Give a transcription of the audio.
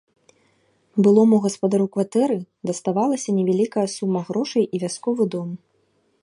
Былому гаспадару кватэры даставалася невялікая сума грошай і вясковы дом.